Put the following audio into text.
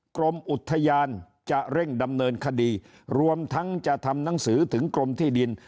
กรมอุทยานจะเร่งดำเนินคดีรวมทั้งจะทำหนังสือถึงกรมที่ดิน